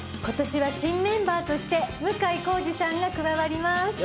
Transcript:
今年は新メンバーとして向井康二さんが加わります。